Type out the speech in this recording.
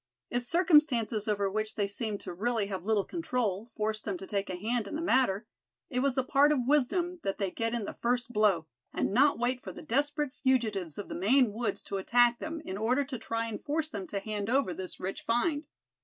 If circumstances over which they seemed to really have little control, forced them to take a hand in the matter, it was the part of wisdom that they get in the first blow; and not wait for the desperate fugitives of the Maine woods to attack them, in order to try and force them to hand over this rich find.